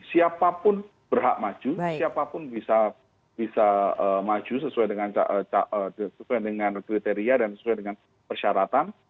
siapapun berhak maju siapapun bisa maju sesuai dengan kriteria dan sesuai dengan persyaratan